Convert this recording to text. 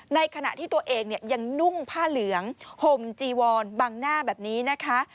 ในขณะที่ตัวเองยังนุ่งผ้าเหลืองห่มจีวอนบังหน้าแบบนี้นะคะ